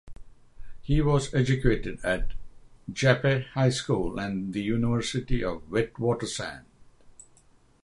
He was educated at Jeppe High School and the University of the Witwatersrand.